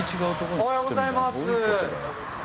おはようございます。